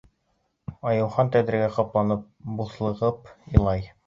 Айыухан, тәҙрәгә ҡапланып, буҫлығып илай.